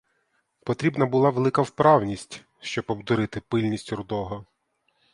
Потрібна була велика вправність, щоб обдурити пильність рудого.